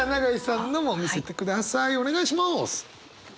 お願いします！